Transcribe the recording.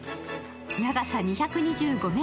長さ２２５ｍ